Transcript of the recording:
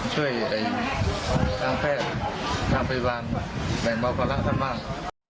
ช่วยทางแพทย์ทางพยาบาลแบ่งบอกว่ารักษณ์ท่านมาก